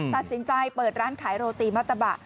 ตัดสินใจเปิดร้านขายโรตีมัตตะบะ